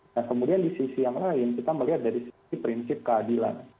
nah kemudian di sisi yang lain kita melihat dari sisi prinsip keadilan